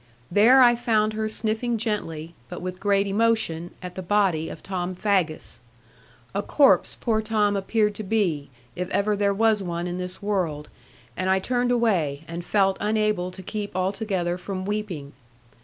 There I found her sniffing gently, but with great emotion, at the body of Tom Faggus. A corpse poor Tom appeared to be, if ever there was one in this world; and I turned away, and felt unable to keep altogether from weeping.